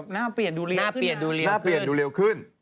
หน้าเปลี่ยนดูเรียวขึ้น